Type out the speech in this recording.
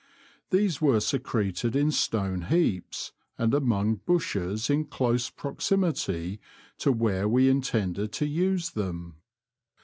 These were secreted in stone heaps, and among bushes in close proximity to where we intended to use them.